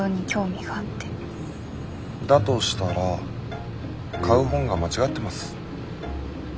だとしたら買う本が間違ってます。